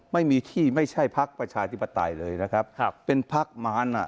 ไม่มีที่ไม่ใช่พักประชาธิปไตยเลยนะครับครับเป็นพักมารอ่ะ